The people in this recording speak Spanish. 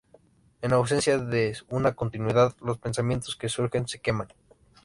En ausencia de una continuidad, los pensamientos que surgen se queman.